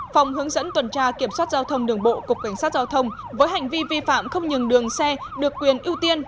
phòng hướng dẫn tuần tra kiểm soát giao thông đường bộ cục cảnh sát giao thông với hành vi vi phạm không nhường đường xe được quyền ưu tiên